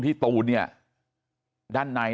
ไม่รู้ตอนไหนอะไรยังไงนะ